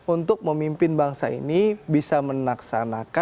untuk memimpin bangsa ini bisa menaksanakan